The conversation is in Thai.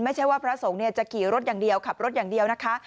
ไม่ใช่ว่าพระสงฆ์จะขี่รถอย่างเดียวขับรถอย่างเดียวนะคะ